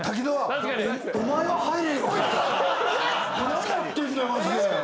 何やってんだよマジで。